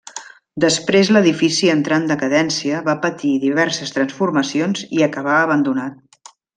Després l'edifici entrà en decadència, va patir diverses transformacions i acabà abandonat.